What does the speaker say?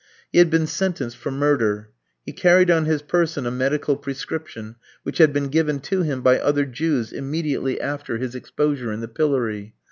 He had been sentenced for murder. He carried on his person a medical prescription which had been given to him by other Jews immediately after his exposure in the pillory.